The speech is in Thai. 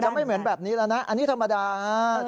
ไม่เหมือนแบบนี้แล้วนะอันนี้ธรรมดา